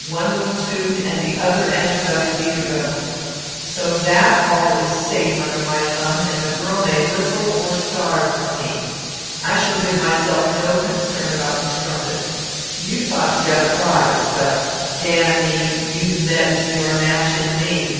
One was sued, and the other entered up, a week ago. So that all is safe under my thumb, and the girl may whistle or starve for me. I shall give myself no concern about the strumpet. You thought to get a prize; but, damn me, you've met with your match in me.